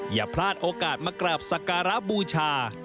อย่าพลาดโอกาสมากราบสักการะบูชา